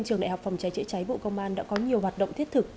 trường đại học phòng trái trễ trái bộ công an đã có nhiều hoạt động thiết thực